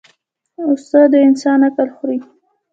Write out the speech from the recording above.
غصه د انسان عقل خوري